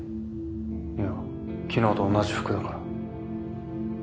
いや昨日と同じ服だから。